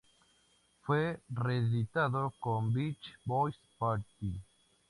Fue reeditado con "Beach Boys' Party!